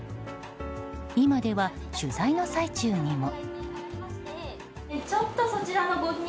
今では取材の最中にも。